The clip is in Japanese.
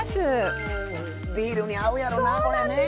ビールに合うやろなこれね！